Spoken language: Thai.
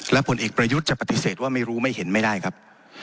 และผลเอกประยุทธ์จะปฏิเสธว่าไม่รู้ไม่เห็นไม่ได้ครับ